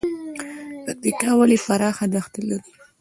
پکتیکا ولې پراخه دښتې لري؟